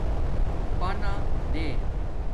پنادے